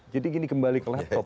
jadi gini kembali ke laptop